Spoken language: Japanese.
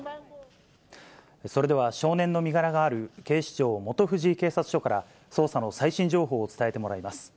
それでは、少年の身柄がある警視庁本富士警察署から、捜査の最新情報を伝えてもらいます。